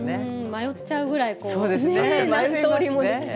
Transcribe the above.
迷っちゃうぐらいね何通りもできそうで。